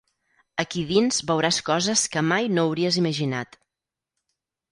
Aquí dins veuràs coses que mai no hauries imaginat.